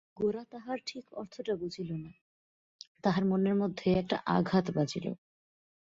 গোরা তাহার ঠিক অর্থটা বুঝিল না, তাহার মনের মধ্যে একটা আঘাত বাজিল।